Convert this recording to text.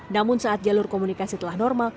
namun saat jalur komunikasi telah normal